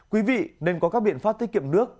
quý vị nên có các biện pháp tiết kiệm nước